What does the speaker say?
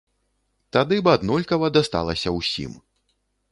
Тады б аднолькава дасталася ўсім.